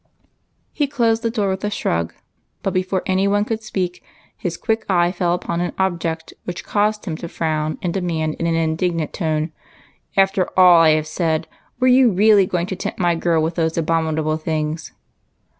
He closed the door with a shrug, but before any one could speak, his quick eye fell upon an object which FASHION AND PHYSIOLOGY. 209 caused him to frown, and demand in an indignant tone, — "After all I have said, were you really going to tempt my girl with those abominable things'?"